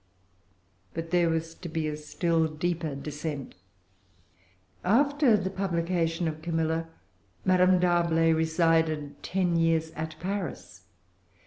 But there was to be a still deeper descent. After the publication of Camilla, Madame D'Arblay resided ten years at Paris.